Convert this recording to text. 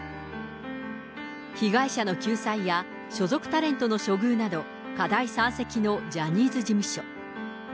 被害者の救済や所属タレントの処遇など、課題山積のジャニーズ事務所。